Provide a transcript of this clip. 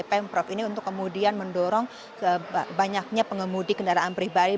pemprov ini untuk kemudian mendorong banyaknya pengemudi kendaraan pribadi